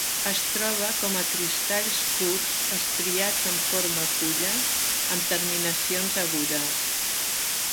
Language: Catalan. Es troba com a cristalls curts estriats en forma fulla, amb terminacions agudes.